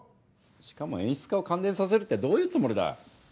しかも演出家を感電させるってどういうつもりだ？